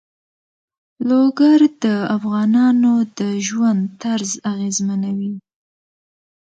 لوگر د افغانانو د ژوند طرز اغېزمنوي.